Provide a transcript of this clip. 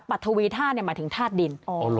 ทวีธาตุหมายถึงธาตุดิน